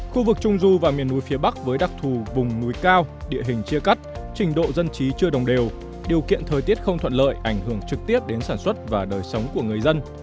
khu vực trung du và miền núi phía bắc với đặc thù vùng núi cao địa hình chia cắt trình độ dân trí chưa đồng đều điều kiện thời tiết không thuận lợi ảnh hưởng trực tiếp đến sản xuất và đời sống của người dân